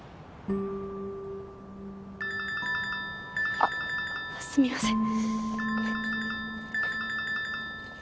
あっすみません。